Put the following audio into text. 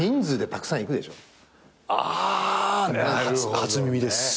初耳です。